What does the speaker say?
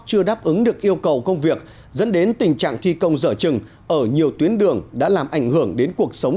chưa đáp ứng được yêu cầu công việc dẫn đến tình trạng thi công dở trừng ở nhiều tuyến đường đã làm ảnh hưởng đến cuộc sống